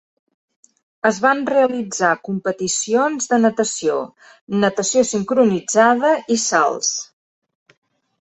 Es van realitzar competicions de natació, natació sincronitzada i salts.